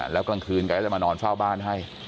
แล้วกลางคืนแกก็จะมานอนเฝ้าบ้านให้